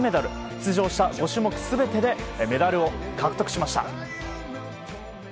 出場した５種目全てでメダルを獲得しました。